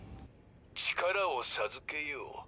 力を授けよう。